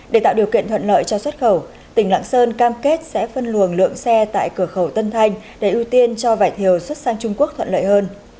để tạo điều kiện thuận lợi cho xuất khẩu tỉnh lạng sơn cam kết sẽ phân luồng lượng xe tại cửa khẩu tân thanh để ưu tiên cho vải thiều xuất sang trung quốc thuận lợi hơn